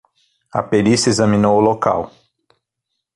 A perícia examinou o local.